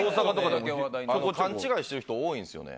勘違いしてる人多いですよね。